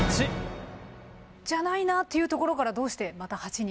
じゃないなというところからどうしてまた「蜂」に？